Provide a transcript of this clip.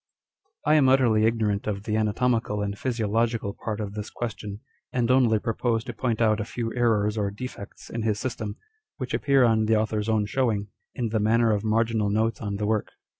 I am utterly ignorant of the anatomical and physio logical part of this question, and only propose to point out a few errors or defects in his system, which appear on the author's own showing, in the manner of marginal notes on the work.